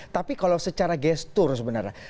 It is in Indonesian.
tapi kalau secara gestur sebenarnya